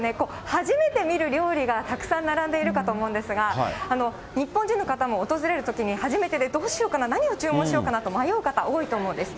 初めて見る料理がたくさん並んでいるかと思うんですが、日本人の方も訪れるときに、初めてでどうしようかな、何を注文しようかなと迷う方、多いと思うんです。